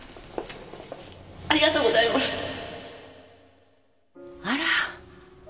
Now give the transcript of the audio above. ありがとうございますあら。